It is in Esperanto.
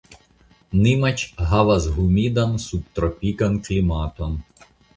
Nimaĉ havas humidan subtropikan klimaton.